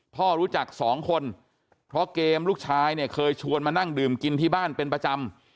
พ่อรู้จักสองคนเพราะเกมลูกชายเนี่ยเคยชวนมานั่งดื่มกินที่บ้านเป็นประจำ